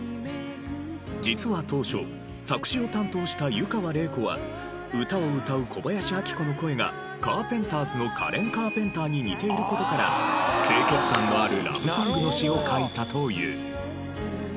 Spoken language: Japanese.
実は当初作詞を担当した湯川れい子は歌を歌う小林明子の声がＣＡＲＰＥＮＴＥＲＳのカレン・カーペンターに似ている事から清潔感のあるラブソングの詞を書いたという。